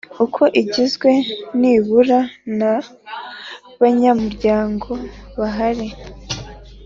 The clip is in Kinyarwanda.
Uko igizwe nibura na banyamuryango bahari